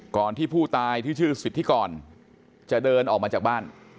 ก่อนที่ผู้ตายที่ชื่อสิทธิกรจะเดินออกมาจากบ้าน